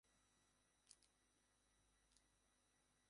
যদি তারা কারাউল গামীমের অপর কোন পথ ধরে আসে তাহলে তারা মানুষ নয়।